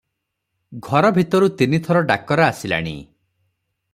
ଘର ଭିତରୁ ତିନି ଥର ଡାକରା ଆସିଲାଣି ।